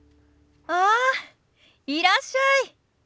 ああいらっしゃい。